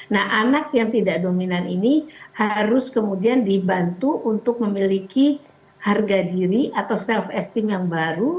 nah anak yang tidak dominan ini harus kemudian dibantu untuk memiliki harga diri atau self esteem yang baru